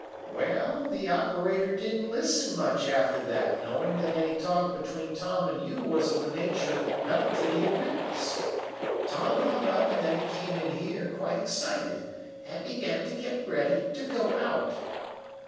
"Well, the operator didn't listen much after that, knowing that any talk between Tom and you was of a nature not to need a witness. Tom hung up and then he came in here, quite excited, and began to get ready to go out."